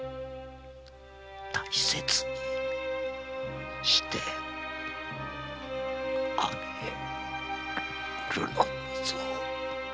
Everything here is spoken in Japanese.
大切にしてあげるのだぞ。